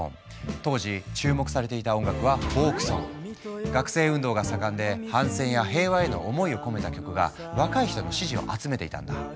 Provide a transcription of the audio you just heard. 当時注目されていた音楽は学生運動が盛んで反戦や平和への思いを込めた曲が若い人の支持を集めていたんだ。